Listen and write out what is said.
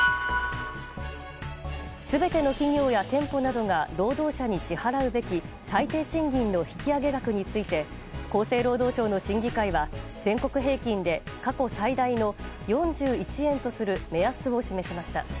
全ての企業や店舗などが労働者に支払うべき最低賃金の引き上げ額について厚生労働省の審議会は全国平均で過去最大の４１円とする目安を示しました。